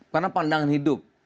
karena pandangan hidup